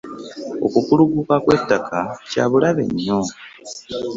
Okukulugguka kwe ttaka kya bulabe nnyo .